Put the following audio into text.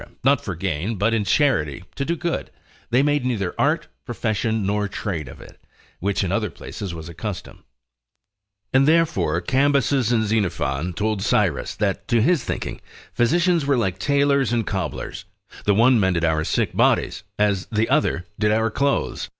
not for gain, but in charity, to do good, they made neither art, profession, nor trade of it, which in other places was accustomed: and therefore Cambyses in Xenophon told Cyrus, that to his thinking, physicians were like tailors and cobblers, the one mended our sick bodies, as the other did our clothes.